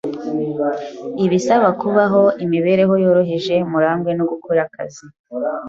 ibasaba kubaho imibereho yoroheje, murangwe no gukora akazi